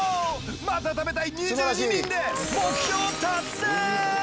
「また食べたい」２２人で目標達成！